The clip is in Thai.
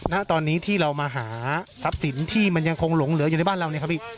ณตอนนี้ที่เรามาหาทรัพย์สินที่มันยังคงหลงเหลืออยู่ในบ้านเราเนี่ยครับพี่